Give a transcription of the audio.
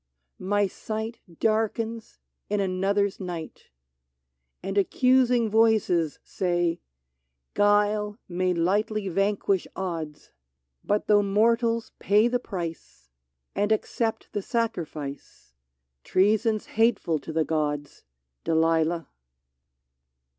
my sight 88 DELILAH Darkens in another's night, And accusing voices say :" Guile may lightly vanquish odds ; But though mortals pay the price And accept the sacrifice, Treason 's hateful to the gods, Delilah